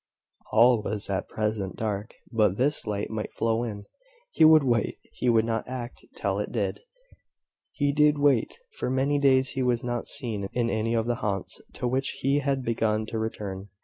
All was at present dark; but this light might flow in. He would wait: he would not act till it did. He did wait. For many days he was not seen in any of the haunts, to which he had begun to return.